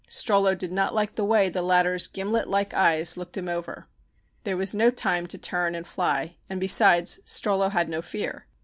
Strollo did not like the way the latter's gimlet like eyes looked him over. There was no time to turn and fly, and, besides, Strollo had no fear.